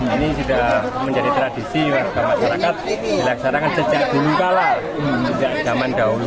ini sudah menjadi tradisi warga masyarakat dilaksanakan sejak dulu kala sejak zaman dahulu